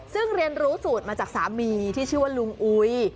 ซึ่งเรียนรู้สูตรมาจากสามีที่ชื่อว่าลุงอุย